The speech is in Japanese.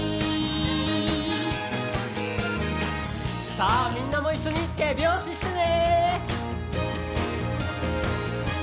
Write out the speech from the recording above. さあみんなもいっしょにてびょうししてね！